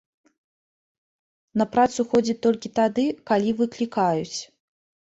На працу ходзіць толькі тады, калі выклікаюць.